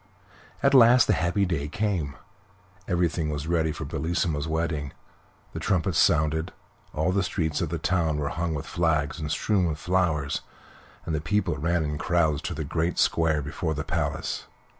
At last the happy day came. Everything was ready for Bellissima's wedding. The trumpets sounded, all the streets of the town were hung with flags and strewn with flowers, and the people ran in crowds to the great square before the palace.